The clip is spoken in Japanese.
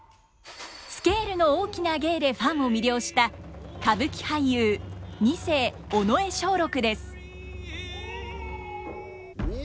スケールの大きな芸でファンを魅了した歌舞伎俳優二世尾上松緑です。